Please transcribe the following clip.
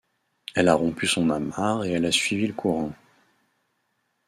Elle a rompu son amarre et elle a suivi le courant !